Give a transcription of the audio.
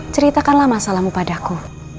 ceritakanlah masalahmu padaku